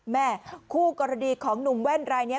แม่คู่กรณีของหนุ่มแว่นรายนี้